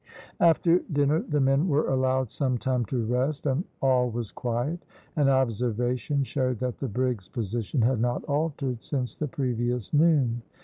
After dinner the men were allowed some time to rest, and all was quiet. An observation showed that the brig's position had not altered since the previous noon.